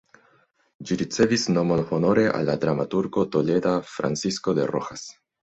Ĝi ricevis nomon honore al la dramaturgo toleda Francisco de Rojas.